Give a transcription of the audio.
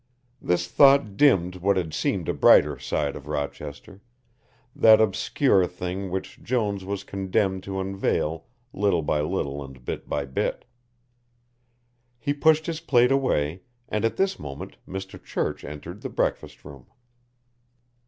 This thought dimmed what had seemed a brighter side of Rochester, that obscure thing which Jones was condemned to unveil little by little and bit by bit. He pushed his plate away, and at this moment Mr. Church entered the breakfast room.